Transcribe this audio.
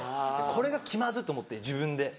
これが気まずっ！と思って自分で。